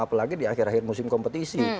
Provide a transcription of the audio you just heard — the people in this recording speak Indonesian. apalagi di akhir akhir musim kompetisi